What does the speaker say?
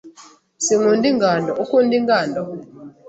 Sinkunda ingando. Ukunda ingando?